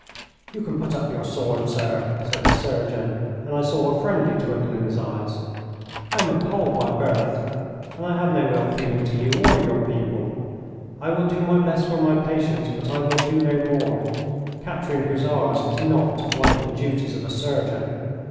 "You can put up your sword, sir," said the surgeon, and I saw a friendly twinkle in his eyes. "I am a Pole by birth, and I have no ill feeling to you or your people. I will do my best for my patients, but I will do no more. Capturing Hussars is not one of the duties of a surgeon.